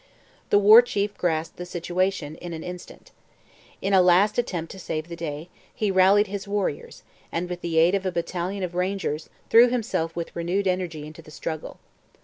The War Chief grasped the situation in an instant. In a last attempt to save the day, he rallied his warriors and, with the aid of a battalion of Rangers, threw himself with renewed energy into the struggle.